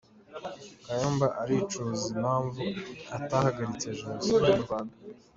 kayumba aricuza impamvu atahagaritse Jenoside mu Rwanda